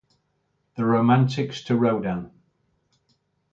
"The Romantics to Rodin".